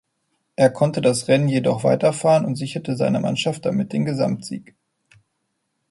Er konnte das Rennen jedoch weiterfahren und sicherte seiner Mannschaft damit den Gesamtsieg.